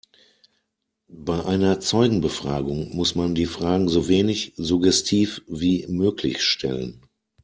Bei einer Zeugenbefragung muss man die Fragen so wenig suggestiv wie möglich stellen.